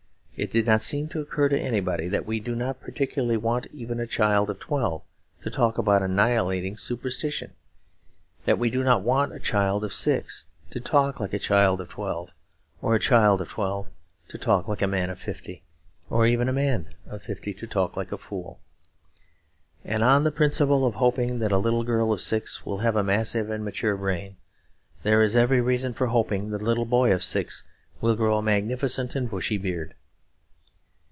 It did not seem to occur to anybody that we do not particularly want even a child of twelve to talk about annihilating superstition; that we do not want a child of six to talk like a child of twelve, or a child of twelve to talk like a man of fifty, or even a man of fifty to talk like a fool. And on the principle of hoping that a little girl of six will have a massive and mature brain, there is every reason for hoping that a little boy of six will grow a magnificent and bushy beard.